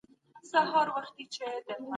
بايد په عامه ځايونو کي د کتاب لوستلو خونې وي.